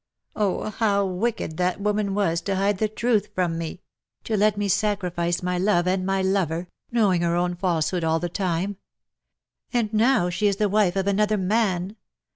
" Oh ! how wicked that woman was to hide the truth from me — to let me sacrifice my love and my lover — knowing her own falsehood all the time. And now she is the wife of another man!